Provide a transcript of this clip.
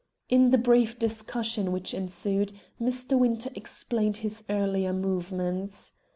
In the brief discussion which ensued, Mr. Winter explained his earlier movements.